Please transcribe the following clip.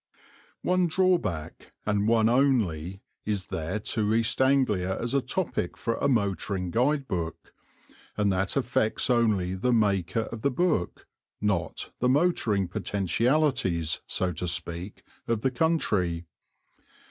One drawback, and one only, is there to East Anglia as a topic for a motoring guide book, and that affects only the maker of the book, not the motoring potentialities, so to speak, of the country.